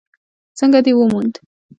_څنګه دې وموند؟